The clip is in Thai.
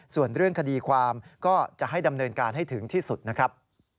ส่วนเรื่องคดีความก็จะให้ดำเนินการให้ถึงที่สุดนะครับ